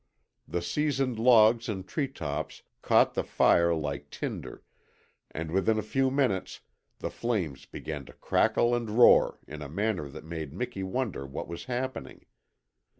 The seasoned logs and tree tops caught the fire like tinder, and within a few minutes the flames began to crackle and roar in a manner that made Miki wonder what was happening.